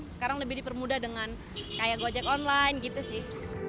sekarang lebih dipermudah dengan kayak gojek online gitu sih